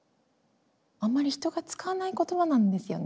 あんまり人が使わない言葉なんですよね。